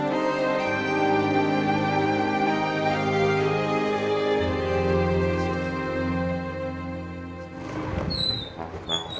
yang ingin berhenti bareng ruby